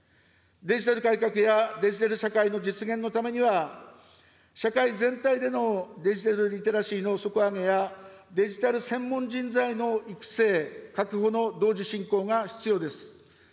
デジタル改革やデジタル社会の実現のためには、社会全体でのデジタルリテラシーの底上げや、デジタル専門人材の育成・確保の同時進行が必要です。